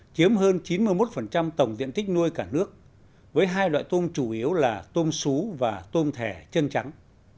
chiếm hơn chín mươi một tổng diện tích nuôi cả nước với hai loại tôm chủ yếu là tôm sú và tôm thẻ chân trắng